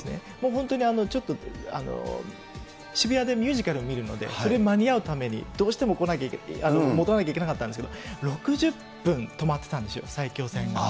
本当にちょっと、渋谷でミュージカルを見るので、それ間に合うために、どうしても戻らなきゃいけなかったんですけど、６０分止まってたんですよ、埼京線が。